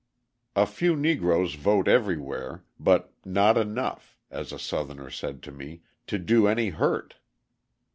A few Negroes vote everywhere, "but not enough," as a Southerner said to me, "to do any hurt."